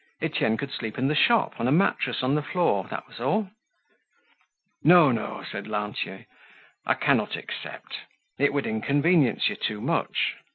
Etienne could sleep in the shop, on a mattress on the floor, that was all. "No, no," said Lantier, "I cannot accept. It would inconvenience you too much.